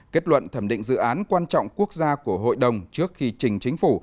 kết luận thẩm định dự án quan trọng quốc gia của hội đồng trước khi trình chính phủ